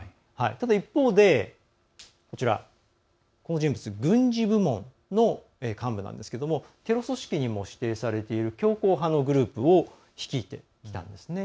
一方で、この人物は軍事部門の幹部なんですがテロ組織にも指定されている強硬派のグループを率いてきたんですね。